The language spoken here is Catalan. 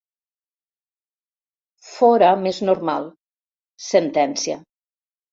Fóra més normal, sentencia.